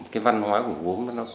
cái văn hóa của gốm